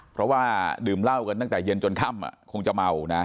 เพราะว่าดื่มเหล้ากันตั้งแต่เย็นจนค่ำคงจะเมานะ